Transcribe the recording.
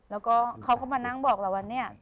แล้วก็เขาก็มานั่งบอกเราว่าเนี่ย